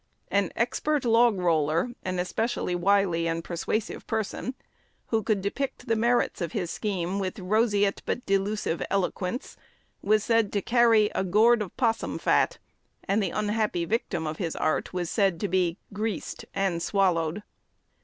An expert "log roller," an especially wily and persuasive person, who could depict the merits of his scheme with roseate but delusive eloquence, was said to carry "a gourd of possum fat," and the unhappy victim of his art was said to be "greased and swallowed."